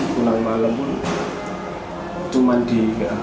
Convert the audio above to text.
pulang malam pun cuma di